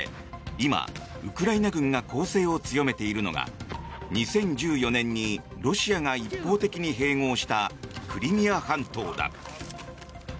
今、ウクライナ軍が攻勢を強めているのが２０１４年にロシアが一方的に併合したクリミア半島だ。